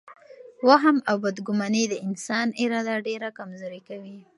وهم او بدګماني د انسان اراده ډېره کمزورې کوي.